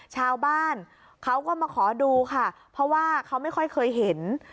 ชาวบ้านเขาก็มาขอดูค่ะเพราะว่าเขาไม่ค่อยเคยเห็น